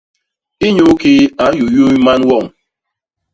Inyukii u nyuyuu man woñ?